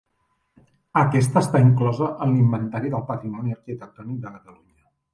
Aquesta està inclosa en l'Inventari del Patrimoni Arquitectònic de Catalunya.